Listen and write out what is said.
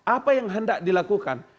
apa yang hendak dilakukan